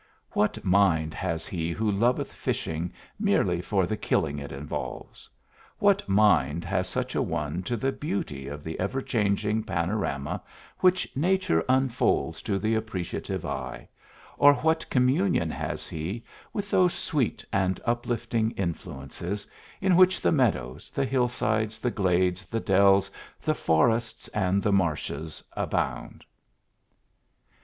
What mind has he who loveth fishing merely for the killing it involves what mind has such a one to the beauty of the ever changing panorama which nature unfolds to the appreciative eye, or what communion has he with those sweet and uplifting influences in which the meadows, the hillsides, the glades, the dells, the forests, and the marshes abound?